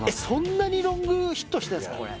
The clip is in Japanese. そんなにロングヒットしてんすか！？